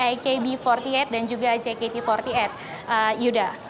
ikb empat puluh delapan dan juga jkt empat puluh delapan yuda